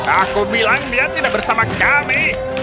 aku bilang dia tidak bersama kami